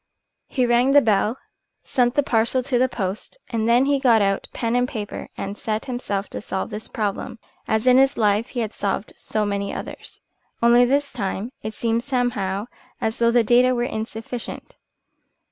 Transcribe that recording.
He rang the bell, sent the parcel to the post, and then he got out pen and paper and set himself to solve this problem, as in his life he had solved so many others. Only this time it seemed somehow as though the data were insufficient.